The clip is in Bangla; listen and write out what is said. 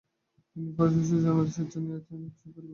তিনি ফরাসী সৌজন্যের আতিশয্যে এই নিমন্ত্রণ স্বীকার করে নিলেন।